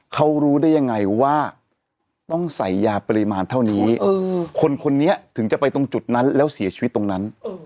เขารู้ได้ยังไงว่าต้องใส่ยาปริมาณเท่านี้คนคนนี้ถึงจะไปตรงจุดนั้นแล้วเสียชีวิตตรงนั้น